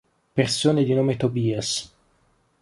Persone di nome Tobias